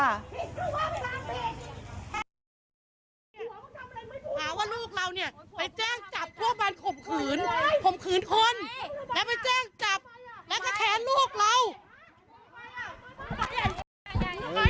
มันป้าสน่าใจหรออีเฟ้า